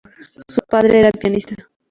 Su padre era pianista.